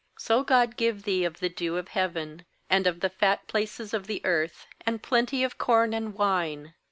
28So God give thee of the dew of heaven, And of the fat places of the earth, And plenty of corn and wine.